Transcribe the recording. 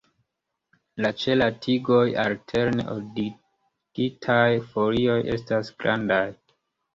La ĉe la tigoj alterne ordigitaj folioj estas grandaj.